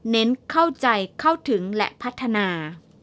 เน้นเข้าใจเข้าถึงและพัฒนา